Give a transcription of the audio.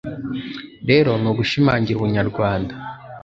rero ni ugushimangira ubunyarwanda.